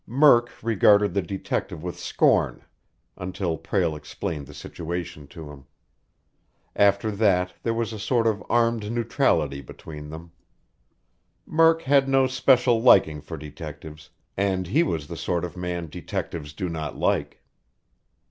Murk regarded the detective with scorn, until Prale explained the situation to him. After that, there was a sort of armed neutrality between them. Murk had no special liking for detectives, and he was the sort of man detectives do not like.